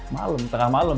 malem tengah malem